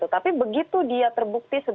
tapi begitu dia terbukti